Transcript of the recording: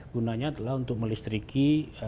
gunanya adalah untuk melistriki